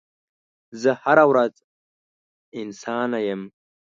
زه هره ورځ انسانه یم